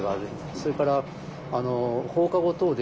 それから放課後等